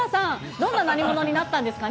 どんな何者になったんですかね？